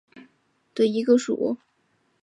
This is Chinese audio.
紫柄千年芋为天南星科千年芋属下的一个种。